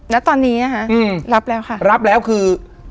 ณตอนนี้นะคะรับแล้วค่ะรับแล้วคือ